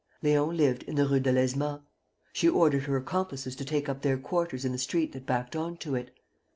Leon lived in the Rue Delaizement. She ordered her accomplices to take up their quarters in the street that backed on to it.